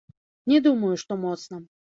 Не думаю, што моцна.